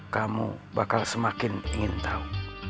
kamu bakal semakin ingin tahu